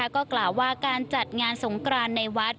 ก็กล่าวว่าการจัดงานสงกรานในวัด